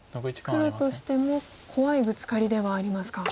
黒としても怖いブツカリではありますか。